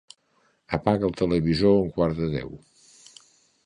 Apaga el televisor a un quart de deu.